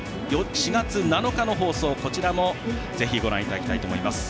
４月７日の放送、こちらもぜひご覧いただきたいと思います。